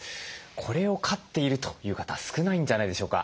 これを飼っているという方は少ないんじゃないでしょうか。